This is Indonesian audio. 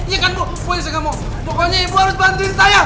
iya kan bu pokoknya ibu harus bantuin saya